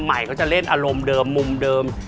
ใหม่เขาจะเล่นอารมณ์เดิมมุมเดิม